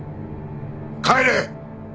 帰れ！